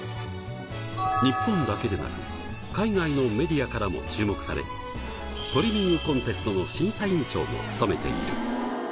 日本だけでなく海外のメディアからも注目されトリミングコンテストの審査員長も務めている。